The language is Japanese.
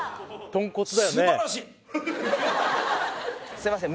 すいません